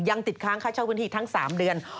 ยังติดค้างค่าเช่าพื้นที่ทั้ง๓เดือน